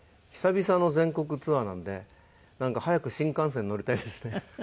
久々の全国ツアーなんでなんか早く新幹線に乗りたいですね。